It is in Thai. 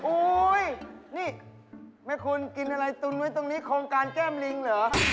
โอ๊ยนี่แม่คุณกินอะไรตุนไว้ตรงนี้โครงการแก้มลิงเหรอ